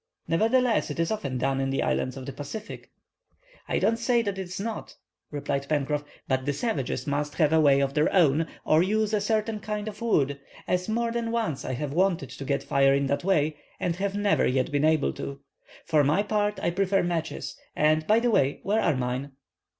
"Nevertheless, it is often done in the islands of the Pacific." "I don't say that it is not," replied Pencroff, "but the savages must have a way of their own, or use a certain kind of wood, as more than once I have wanted to get fire in that way and have never yet been able to. For my part, I prefer matches; and, by the way, where are mine?"